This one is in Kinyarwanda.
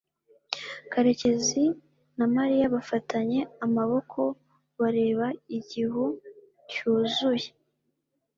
karekezi na mariya bafatanye amaboko bareba igihu cyuzuye